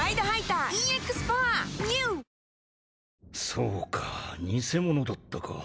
そうか偽者だったか。